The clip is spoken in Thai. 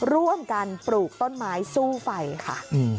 ร่วมกันปลูกต้นไม้สู้ไฟค่ะ